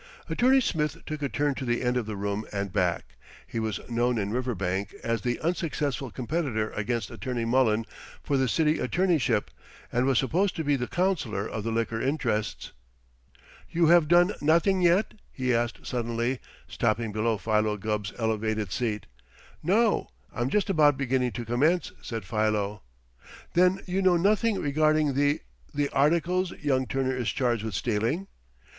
Attorney Smith took a turn to the end of the room and back. He was known in Riverbank as the unsuccessful competitor against Attorney Mullen for the City Attorneyship, and was supposed to be the counselor of the liquor interests. "You have done nothing yet?" he asked suddenly, stopping below Philo Gubb's elevated seat. "No, I'm just about beginning to commence," said Philo. "Then you know nothing regarding the the articles young Turner is charged with stealing?"